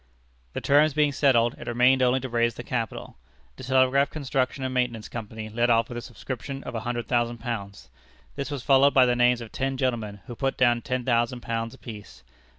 The terms being settled, it remained only to raise the capital. The Telegraph Construction and Maintenance Company led off with a subscription of £100,000. This was followed by the names of ten gentlemen, who put down £10,000 apiece.